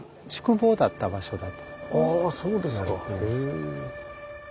へえ。